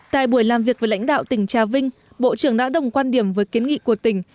tại buổi làm việc với lãnh đạo tỉnh trà vinh bộ trưởng đã đồng quan điểm với kiến nghị của tỉnh